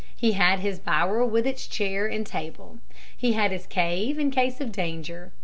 He had his bower with its chair and table. He had his cave in case of danger.